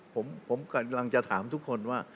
ผมกำลังจะถามทุกคนว่า